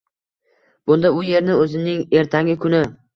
bunda u yerni o‘zining ertangi kuni